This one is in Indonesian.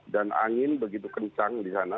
dan angin begitu kencang di sana